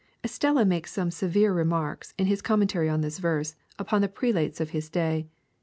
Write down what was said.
] Stella makes some severe remarks, in his commentary on this verse, upon the prelates of his day.